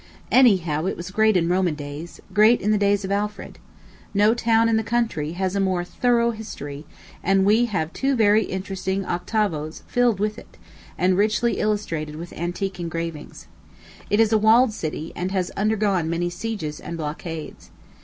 Any how, it was great in Roman days great in the days of Alfred. No town in the country has a more thorough history; and we have two very interesting octavoes filled with it, and richly illustrated with antique engravings. It is a walled city, and has undergone many sieges and blockades.